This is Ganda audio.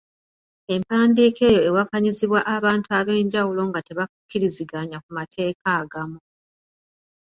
Empandiika eyo ewakanyizibwa abantu ab’enjawulo nga tebakkiriziganya ku mateeka agamu